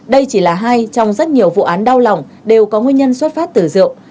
đây chỉ là hai trong rất nhiều vụ án đau lòng đều có nguyên nhân xuất phát từ rượu